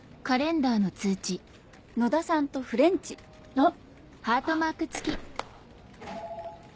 あっ！